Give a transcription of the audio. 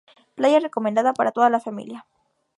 Playa recomendada para toda la familia.